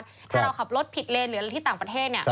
ถ้าเราขับรถผิดเลนหรือที่ต่างประเทศ